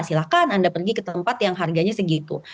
silahkan anda pergi ke tempat yang harganya segitu